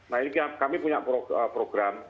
nah ini kami punya program